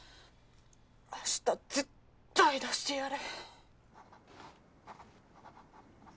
明日絶対出してやる。